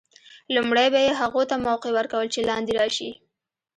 لومړی به یې هغو ته موقع ور کول چې لاندې راشي.